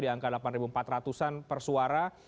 di angka delapan empat ratus an per suara